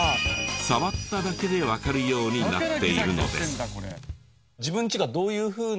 触っただけでわかるようになっているのです。